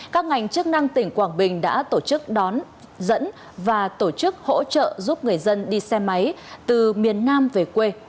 các ngành chức năng tỉnh quảng bình đã tổ chức đón dẫn và tổ chức hỗ trợ giúp người dân đi xe máy từ miền nam về quê